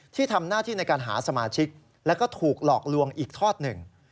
ที่ทำหน้าที่ในการหาสมาชิกแล้วก็ถูกหลอกลวงอีกทอดหนึ่ง